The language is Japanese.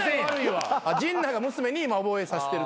陣内が娘に今覚えさせてるってこと？